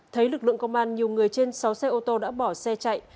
thấy lực lượng công an nhiều người trên sáu xe ô tô đã bỏ xe chạy